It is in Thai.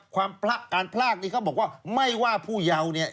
การพลากนี่เขาบอกว่าไม่ว่าผู้เยาว์เนี่ย